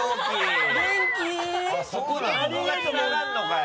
ここがつながるのかよ！